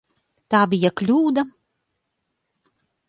Tā bija kļūda.